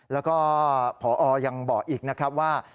แล้วก็พอยังบอกอีกนะครับว่า